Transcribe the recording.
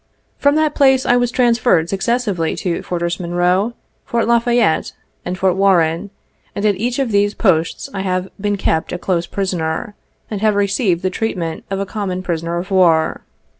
From that place I was transferred successively to Fortress Monroe, Fort Lafayette, and Fore Warren, and at each of these Posts I have been kept a close prisoner, and have received the treatment of a common prisoner of war.